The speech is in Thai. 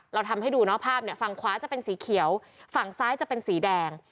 เราทำให้ดูเนาะภาพเนี่ยฝั่งขวาจะเป็นสีเขียวฝั่งซ้ายจะเป็นสีแดง